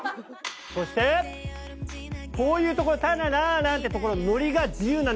そしてこういうところ「タララーラ」ってところノリが自由なんですね。